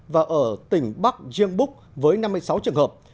và ở tỉnh bắc riêng búc với năm mươi sáu trường hợp